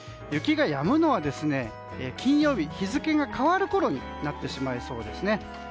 雪がやむのは金曜日日付が変わるころになってしまいそうですね。